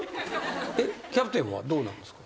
キャプテンはどうなんですか？